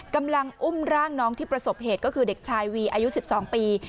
กำลังอุ้มร่างน้องที่ประสบเหตุก็คือเด็กชายวีอายุ๑๒ปี